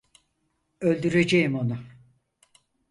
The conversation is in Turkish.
Öldüreceğim onu!